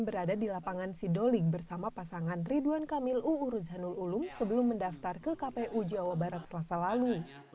berada di lapangan sidolik bersama pasangan ridwan kamil uuru zanul ulu sebelum mendaftar ke kpu jawa barat selasa lalu